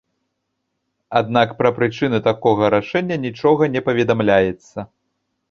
Аднак пра прычыны такога рашэння нічога не паведамляецца.